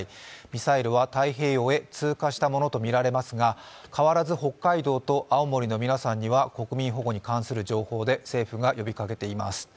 ミサイルは太平洋へ通過したものとみられますが、変わらず北海道と青森の皆さんには国民保護に関する情報で政府が呼びかけています。